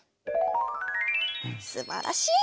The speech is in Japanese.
すばらしい！